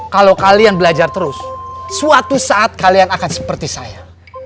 kalau kalian belajar terus suatu saat kalian akan seperti saya